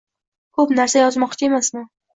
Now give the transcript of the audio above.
Ko‘p narsa yozmoqchi emasman.